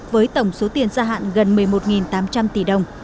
với tổng số tiền gia hạn gần một mươi một tám trăm linh tỷ đồng